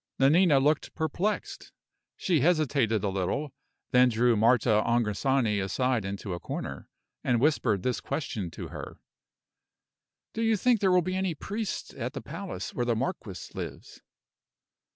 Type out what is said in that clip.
Nanina looked perplexed. She hesitated a little, then drew Marta Angrisani away into a corner, and whispered this question to her: "Do you think there will be any priests at the palace where the marquis lives?"